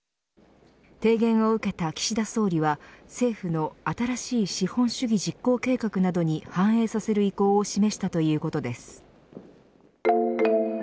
提言を受けた岸田総理は政府の新しい資本主義実行計画などに反映させる意向を示したということです。